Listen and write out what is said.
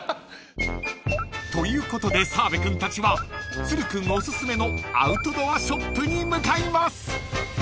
［ということで澤部君たちは都留君おすすめのアウトドアショップに向かいます］